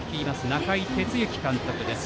中井哲之監督です。